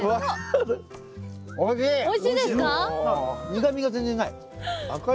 苦みが全然ない。